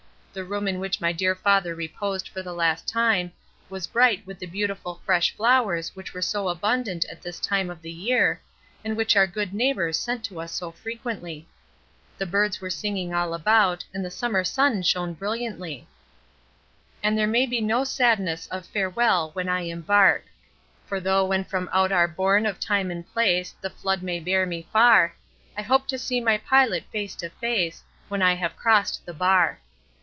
The room in which my dear father reposed for the last time was bright with the beautiful fresh flowers which were so abundant at this time of the year, and which our good neighbours sent to us so frequently. The birds were singing all about and the summer sun shone brilliantly. "And may there be no sadness of farewell When I embark. For though when from out our bourne of Time and Place The flood may bear me far, I hope to see my Pilot face to face When I have crossed the bar.